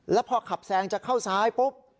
แล้วพอขับแซงจะเข้าซ้ายปุ๊บ